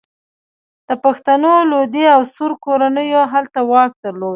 د پښتنو لودي او سور کورنیو هلته واک درلود.